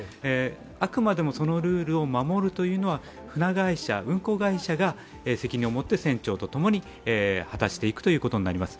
あくまでもそのルールを守るというのは船会社、運航会社が責任を持って、船長とともに果たしていくということになります。